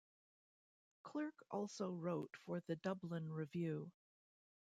Clerke also wrote for the "Dublin Review".